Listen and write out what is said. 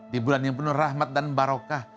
di bulan yang penuh rahmat dan barokah